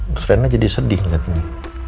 terus rena jadi sedih ngeliat ini